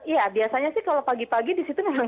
ya biasanya sih kalau pagi pagi di situ memang